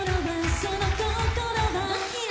そのこころは？